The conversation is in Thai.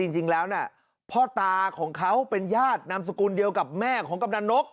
จริงแล้วพ่อตาของเขาเป็นญาตินามสกุลเดียวกับแม่ของกำนันนก